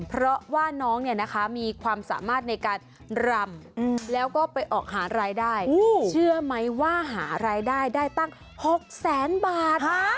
เพราะว่าน้องเนี่ยนะคะมีความสามารถในการรำแล้วก็ไปออกหารายได้เชื่อไหมว่าหารายได้ได้ตั้ง๖แสนบาท